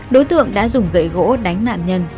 đối tượng đã dùng gậy gỗ đánh nạn nhân